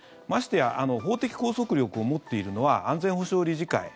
ましてや法的拘束力を持っているのは安全保障理事会。